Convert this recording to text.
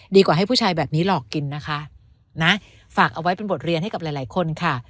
กว่าให้ผู้ชายแบบนี้หลอกกินนะคะนะฝากเอาไว้เป็นบทเรียนให้กับหลายหลายคนค่ะ